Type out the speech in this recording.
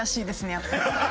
やっぱり。